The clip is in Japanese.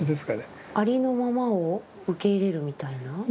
ありのままを受け入れるみたいな？